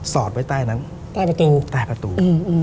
สอดไว้ใต้นั้นใต้ประตู